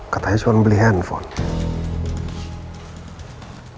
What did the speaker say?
katanya cuma beli handphone